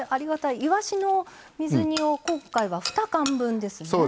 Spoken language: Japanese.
いわしの水煮を今回は２缶分ですね。